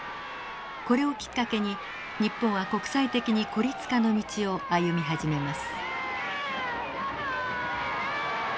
これをきっかけに日本は国際的に孤立化の道を歩み始めます。